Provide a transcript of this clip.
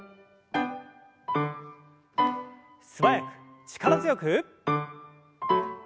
素早く力強く。